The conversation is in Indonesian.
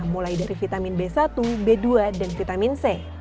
mulai dari vitamin b satu b dua dan vitamin c